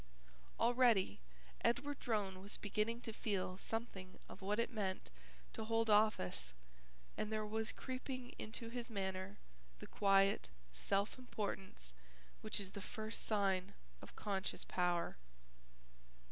Already Edward Drone was beginning to feel something of what it meant to hold office and there was creeping into his manner the quiet self importance which is the first sign of conscious power.